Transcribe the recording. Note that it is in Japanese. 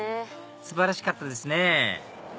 素晴らしかったですね